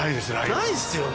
ないっすよね。